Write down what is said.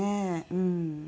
うん。